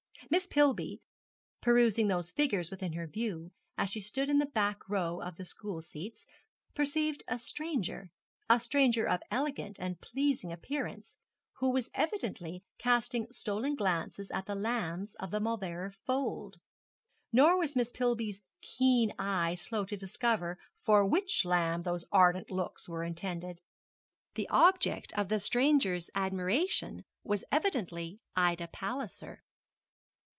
Miss Pillby, perusing those figures within her view, as she stood in the back row of the school seats, perceived a stranger a stranger of elegant and pleasing appearance, who was evidently casting stolen glances at the lambs of the Mauleverer fold. Nor was Miss Pillby's keen eye slow to discover for which lamb those ardent looks were intended. The object of the stranger's admiration was evidently Ida Palliser.